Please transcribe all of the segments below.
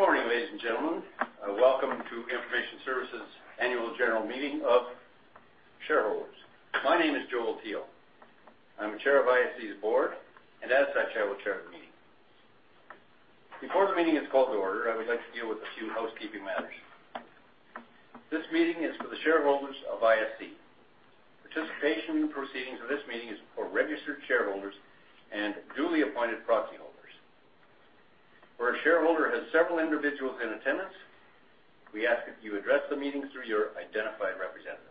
Good morning, ladies and gentlemen. Welcome to Information Services annual general meeting of shareholders. My name is Joel Teal. As such, I will chair the meeting. Before the meeting is called to order, I would like to deal with a few housekeeping matters. This meeting is for the shareholders of ISC. Participation in the proceedings of this meeting is for registered shareholders and duly appointed proxy holders. Where a shareholder has several individuals in attendance, we ask that you address the meeting through your identified representative.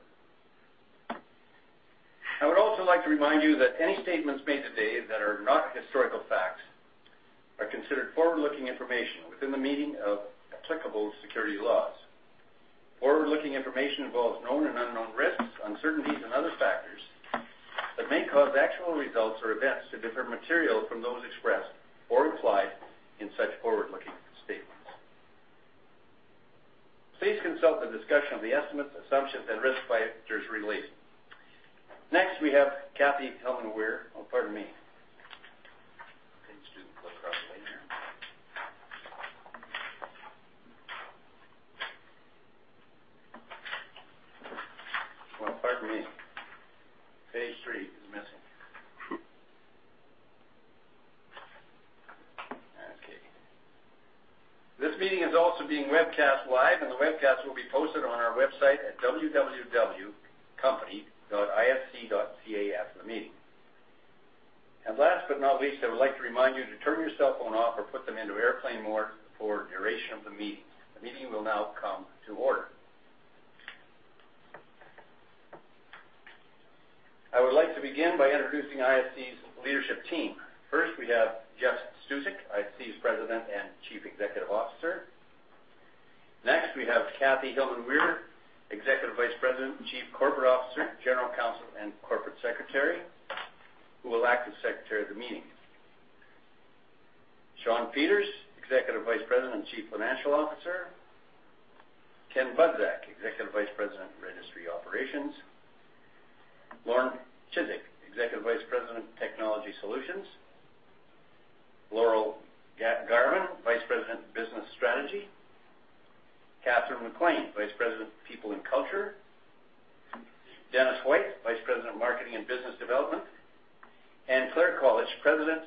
I would also like to remind you that any statements made today that are not historical facts are considered forward-looking information within the meaning of applicable security laws. Forward-looking information involves known and unknown risks, uncertainties, and other factors that may cause actual results or events to differ materially from those expressed or implied in such forward-looking statements. Please consult the discussion of the estimates, assumptions, and risk factors released. Next, we have Kathy Hillman-Weir. Oh, pardon me. I need to look properly here. Well, pardon me. Page three is missing. Okay. This meeting is also being webcast live, and the webcast will be posted on our website at www.isc.ca after the meeting. Last but not least, I would like to remind you to turn your cell phone off or put them into airplane mode for the duration of the meeting. The meeting will now come to order. I would like to begin by introducing ISC's leadership team. First, we have Jeff Stusek, ISC's President and Chief Executive Officer. Next, we have Kathy Hillman-Weir, Executive Vice President and Chief Corporate Officer, General Counsel, and Corporate Secretary, who will act as Secretary of the meeting. Shawn Peters, Executive Vice President and Chief Financial Officer. Ken Budzak, Executive Vice President, Registry Operations. Loren Cisyk, Executive Vice President, Technology Solutions. Laurel Garven, Vice President, Business Strategy. Catherine McLean, Vice President, People and Culture. Dennis White, Vice President of Marketing and Business Development, and Clare Colledge, President,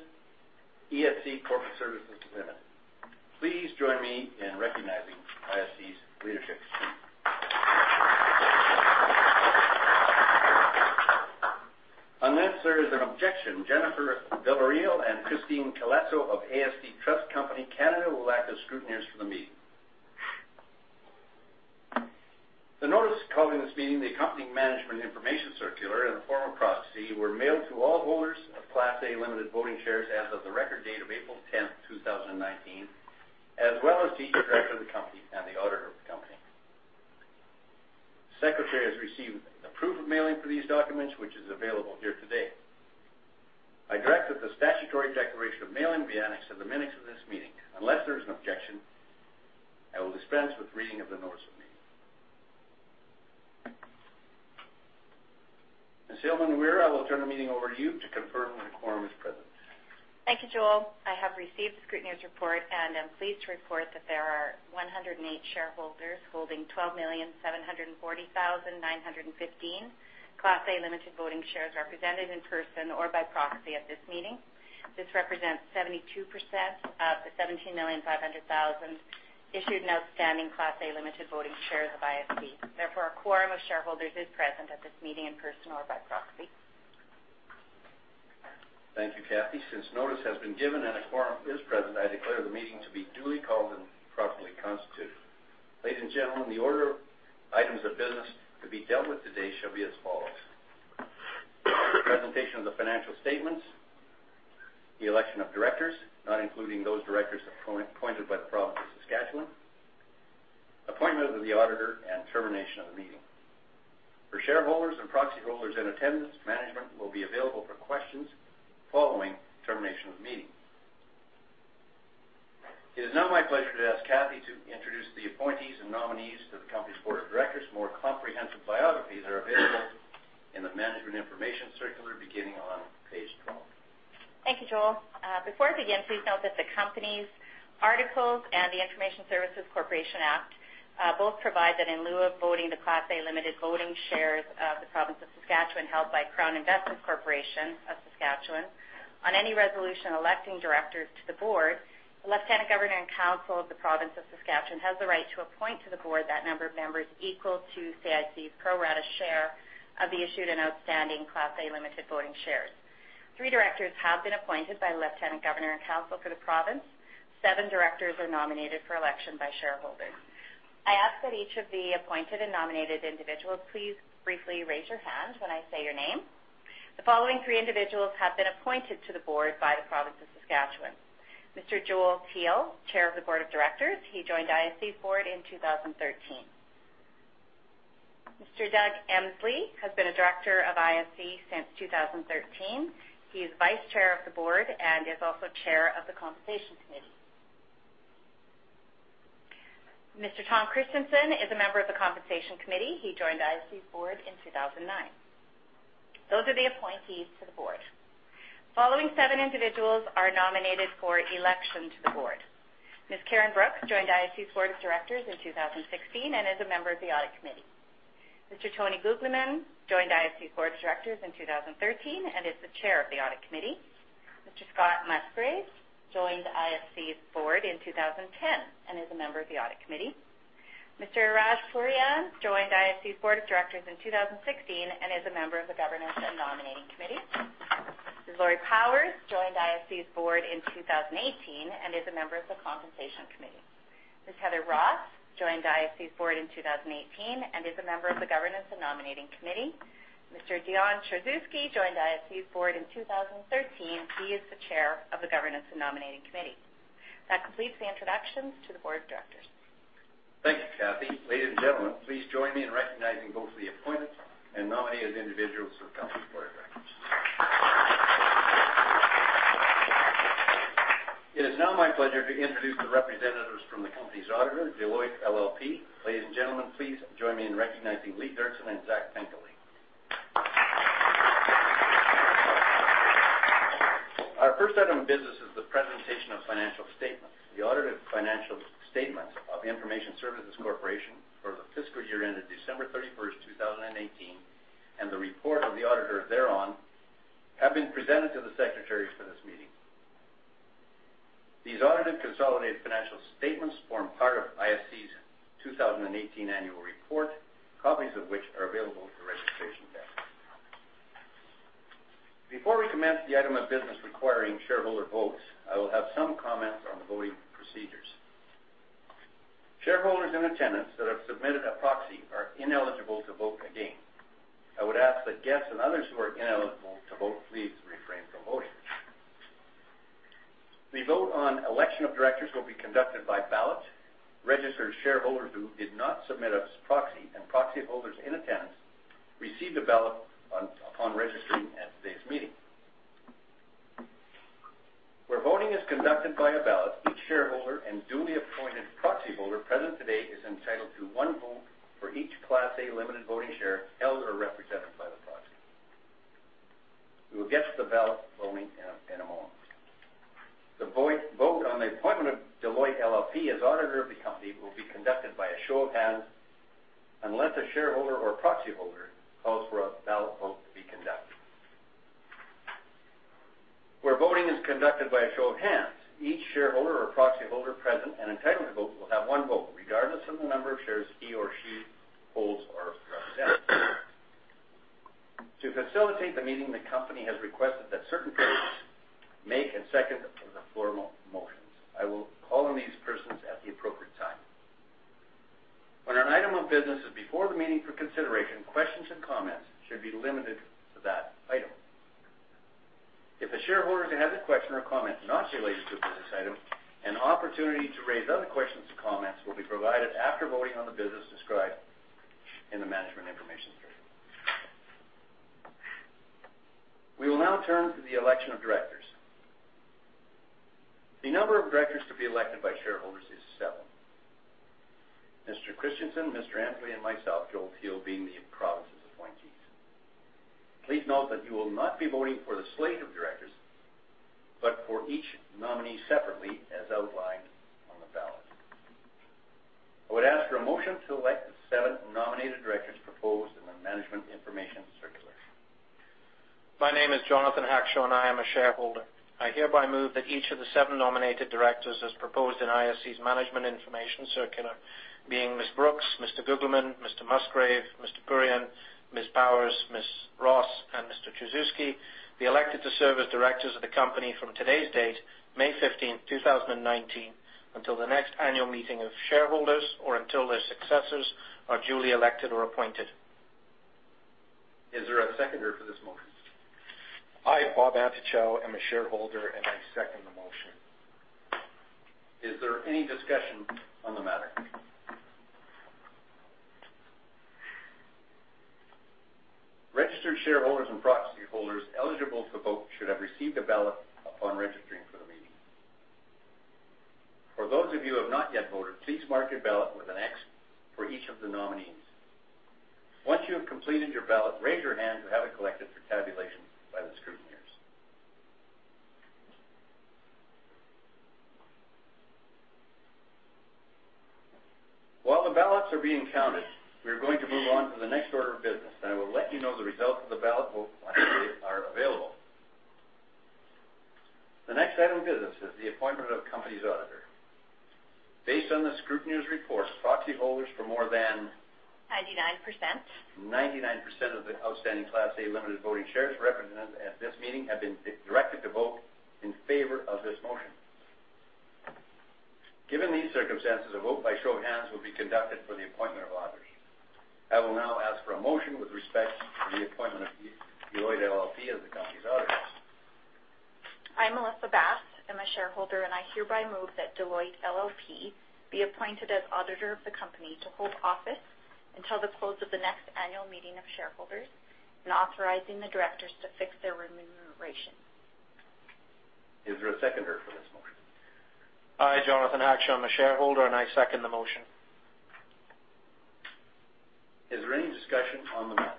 ESC Corporate Services Ltd.. Please join me in recognizing ISC's leadership team. Unless there is an objection, Jennifer Delville and Christine Colletto of AST Trust Company (Canada) will act as scrutineers for the meeting. The notice calling this meeting, the accompanying management information circular, and the form of proxy were mailed to all holders of Class A Limited Voting Shares as of the record date of April 10th, 2019, as well as to each director of the company and the auditor of the company. The Secretary has received a proof of mailing for these documents, which is available here today. I direct that the statutory declaration of mailing be annexed to the minutes of this meeting. Unless there is an objection, I will dispense with reading of the notice of meeting. Ms. Hillman-Weir, I will turn the meeting over to you to confirm a quorum is present. Thank you, Joel. I have received the scrutineer's report and am pleased to report that there are 108 shareholders holding 12,740,915 Class A Limited Voting Shares represented in person or by proxy at this meeting. This represents 72% of the 17,500,000 issued and outstanding Class A Limited Voting Shares of ISC. Therefore, a quorum of shareholders is present at this meeting in person or by proxy. Thank you, Kathy. Since notice has been given and a quorum is present, I declare the meeting to be duly called and properly constituted. Ladies and gentlemen, the order of items of business to be dealt with today shall be as follows. Presentation of the financial statements, the election of directors, not including those directors appointed by the province of Saskatchewan, appointment of the auditor, and termination of the meeting. For shareholders and proxy holders in attendance, management will be available for questions following termination of the meeting. It is now my pleasure to ask Kathy to introduce the appointees and nominees to the company's board of directors. More comprehensive biographies are available in the management information circular beginning on page 12. Thank you, Joel. Before I begin, please note that the company's articles and The Information Services Corporation Act both provide that in lieu of voting the Class A Limited Voting Shares of the province of Saskatchewan held by Crown Investments Corporation of Saskatchewan on any resolution electing directors to the board, the Lieutenant Governor in Council of the province of Saskatchewan has the right to appoint to the board that number of members equal to CIC's pro rata share of the issued and outstanding Class A Limited Voting Shares. 3 directors have been appointed by Lieutenant Governor in Council for the province. 7 directors are nominated for election by shareholders. I ask that each of the appointed and nominated individuals please briefly raise your hand when I say your name. The following 3 individuals have been appointed to the board by the province of Saskatchewan. Mr. Joel Teal, chair of the board of directors. He joined ISC's board in 2013. Mr. Doug Emsley has been a director of ISC since 2013. He is vice chair of the board and is also chair of the Compensation Committee. Mr. Tom Christensen is a member of the Compensation Committee. He joined ISC's board in 2009. Those are the appointees to the board. The following 7 individuals are nominated for election to the board. Ms. Karen Brooks joined ISC's board of directors in 2016 and is a member of the audit committee. Mr. Tony Guglielmin joined ISC's board of directors in 2013 and is the chair of the audit committee. Mr. Scott Musgrave joined ISC's board in 2010 and is a member of the audit committee. Mr. Raj Pourian joined ISC's board of directors in 2016 and is a member of the governance and nominating committee. Ms. Laurie Powers joined ISC's board in 2018 and is a member of the Compensation Committee. Ms. Heather Ryan joined ISC's board in 2018 and is a member of the Governance and Nominating Committee. Mr. Dion Tchorzewski joined ISC's board in 2013. He is the Chair of the Governance and Nominating Committee. That completes the introductions to the Board of Directors. Thank you, Kathy. Ladies and gentlemen, please join me in recognizing both the appointed and nominated individuals for company Board of Directors. It is now my pleasure to introduce the representatives from the company's auditor, Deloitte LLP. Ladies and gentlemen, please join me in recognizing Leigh Derksen and [Zach Finkel]. Our first item of business is the presentation of financial statements. The audited financial statements of Information Services Corporation for the fiscal year ended December 31st, 2018, and the report of the auditor thereon have been presented to the secretaries for this meeting. These audited consolidated financial statements form part of ISC's 2018 annual report, copies of which are available at the registration desk. Before we commence the item of business requiring shareholder votes, I will have some comments on the voting procedures. Shareholders in attendance that have submitted a proxy are ineligible to vote again. I would ask that guests and others who are ineligible to vote, please refrain from voting. The vote on election of directors will be conducted by ballot. Registered shareholders who did not submit a proxy and proxy holders in attendance received a ballot upon registering at today's meeting. Where voting is conducted via ballot, each shareholder and duly appointed proxy holder present today is entitled to one vote for each Class A Limited Voting Share held or represented by the proxy. We will get to the ballot voting in a moment. The vote on the appointment of Deloitte LLP as auditor of the company will be conducted by a show of hands unless a shareholder or proxy holder calls for a ballot vote to be conducted. Where voting is conducted by a show of hands, each shareholder or proxy holder present and entitled to vote will have one vote, regardless of the number of shares he or she holds or represents. To facilitate the meeting, the company has requested that certain persons make and second the formal motions. I will call on these persons at the appropriate time. When an item of business is before the meeting for consideration, questions and comments should be limited to that item. If a shareholder has a question or comment not related to a business item, an opportunity to raise other questions or comments will be provided after voting on the business described in the management information circular. We will now turn to the election of directors. The number of directors to be elected by shareholders is seven. Mr. Christensen, Doug Emsley, and myself, Joel Teal, being the province's appointees. Please note that you will not be voting for the slate of directors, but for each nominee separately, as outlined on the ballot. I would ask for a motion to elect the seven nominated directors proposed in the management information circular. My name is Jonathan Hackshaw, and I am a shareholder. I hereby move that each of the seven nominated directors, as proposed in ISC's management information circular, being Ms. Brooks, Mr. Guglielmin, Mr. Musgrave, Mr. Pourian, Ms. Powers, Ms. Ryan, and Mr. Tchorzewski, be elected to serve as directors of the company from today's date, May 15th, 2019, until the next annual meeting of shareholders or until their successors are duly elected or appointed. Is there a seconder for this motion? I, Bob Antochow, am a shareholder, and I second the motion. Is there any discussion on the matter? Registered shareholders and proxy holders eligible to vote should have received a ballot upon registering for the meeting. For those of you who have not yet voted, please mark your ballot with an X for each of the nominees. Once you have completed your ballot, raise your hand to have it collected for tabulation by the scrutineers. While the ballots are being counted, we're going to move on to the next order of business, and I will let you know the results of the ballot vote when they are available. The next item of business is the appointment of the company's auditor. Based on the scrutineer's report, proxy holders for more than- 99%. 99% of the outstanding Class A Limited Voting Shares represented at this meeting have been directed to vote in favor of this motion. Given these circumstances, a vote by show of hands will be conducted for the appointment of auditors. I will now ask for a motion with respect to the appointment of Deloitte LLP as the company's auditors. I'm Melissa Bass, I'm a shareholder. I hereby move that Deloitte LLP be appointed as auditor of the company to hold office until the close of the next annual meeting of shareholders and authorizing the directors to fix their remuneration. Is there a seconder for this motion? Hi, Jonathan Hackshaw. I'm a shareholder. I second the motion. Is there any discussion on the matter?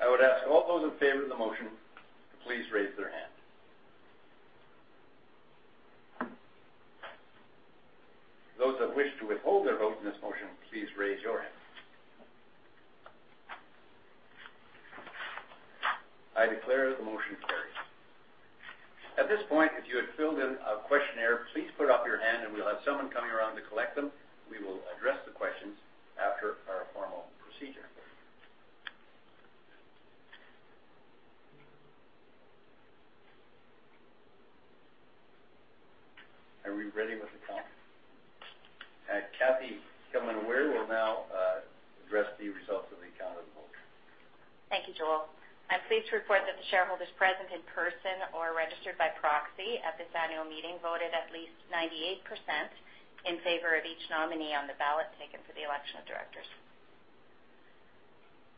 I would ask all those in favor of the motion to please raise their hand. Those that wish to withhold their vote on this motion, please raise your hand. I declare the motion carries. At this point, if you had filled in a questionnaire, please put up your hand and we'll have someone coming around to collect them. We will address the questions after our formal procedure. Are we ready with the count? Kathy Hillman-Weir will now address the results of the count of the vote. Thank you, Joel. I'm pleased to report that the shareholders present in person or registered by proxy at this annual meeting voted at least 98% in favor of each nominee on the ballot taken for the election of directors.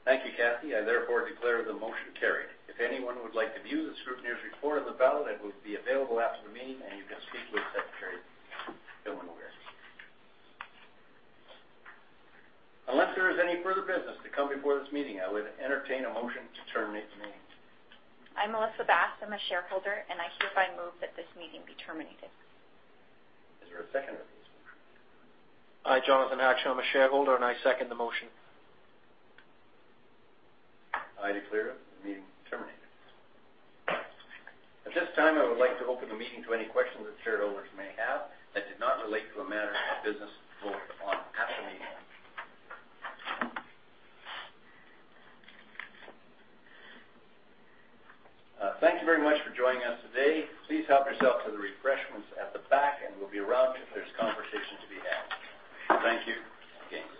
Thank you, Kathy. I therefore declare the motion carried. If anyone would like to view the scrutineer's report on the ballot, it will be available after the meeting, you can speak with Secretary Hillman-Weir. Unless there is any further business to come before this meeting, I would entertain a motion to terminate the meeting. I'm Melissa Bass, I'm a shareholder, I hereby move that this meeting be terminated. Is there a seconder for this motion? Hi, Jonathan Hackshaw. I'm a shareholder, and I second the motion. I declare the meeting terminated. At this time, I would like to open the meeting to any questions that shareholders may have that do not relate to a matter of business vote on at the meeting. Thank you very much for joining us today. Please help yourself to the refreshments at the back, and we'll be around if there's conversation to be had. Thank you again.